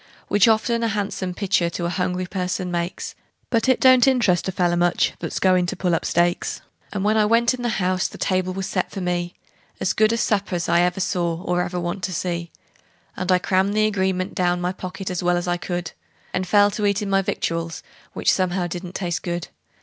Which often a han'some pictur' to a hungry person makes, But it don't interest a feller much that's goin' to pull up stakes. And when I went in the house the table was set for me As good a supper's I ever saw, or ever want to see; And I crammed the agreement down my pocket as well as I could, And fell to eatin' my victuals, which somehow didn't taste good.